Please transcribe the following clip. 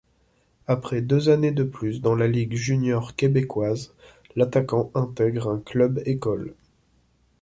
Après deux années de plus dans la ligue junior québécoise, l'attaquant intègre un club-école.